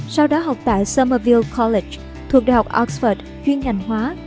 sau đó học tại somerville college thuộc đại học oxford chuyên ngành hóa